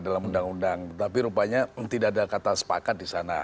dalam undang undang tapi rupanya tidak ada kata sepakat di sana